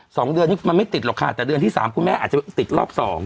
สองเดือนนี้มันไม่ติดหรอกค่ะแต่เดือนที่สามคุณแม่อาจจะติดรอบสอง